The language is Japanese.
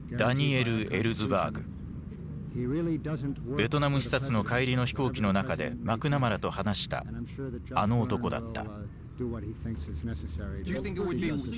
ベトナム視察の帰りの飛行機の中でマクナマラと話したあの男だった。